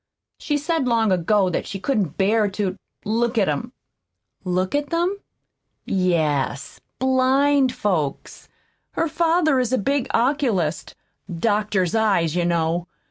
She said long ago that she couldn't bear to look at 'em." "Look at them?" "Yes blind folks. Her father is a big oculist doctors eyes, you know.